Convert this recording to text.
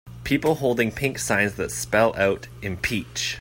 People holding pink signs that spell out, Impeach .